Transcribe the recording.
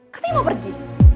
kata yang mau pergi